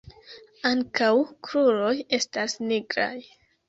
Ankaŭ kruroj estas nigraj.